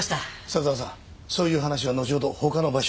佐沢さんそういう話は後ほど他の場所で。